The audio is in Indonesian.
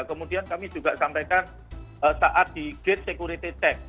kemudian kami juga sampaikan saat di gate security check